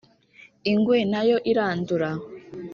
ingwe nayo irandura.